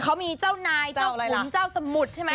เขามีเจ้านายเจ้าขุนเจ้าสมุทรใช่ไหม